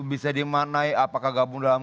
bisa dimanai apakah gabung dalam